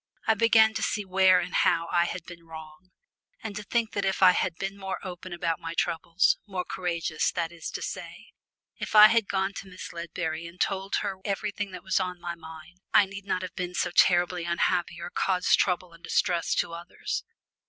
I began to see where and how I had been wrong, and to think that if I had been more open about my troubles, more courageous that is to say, if I had gone to Miss Ledbury and told her everything that was on my mind I need not have been so terribly unhappy or caused trouble and distress to others.